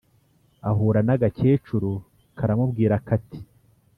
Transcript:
ahura n'agakecuru karamubwira kati: "